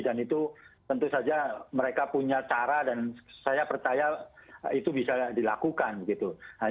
dan itu tentu saja mereka punya cara dan saya percaya itu bisa dilakukan begitu